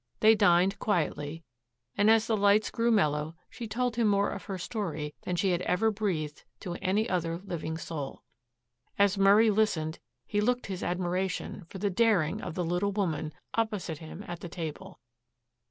They dined quietly and as the lights grew mellow she told him more of her story than she had ever breathed to any other living soul. As Murray listened he looked his admiration for the daring of the little woman opposite him at the table.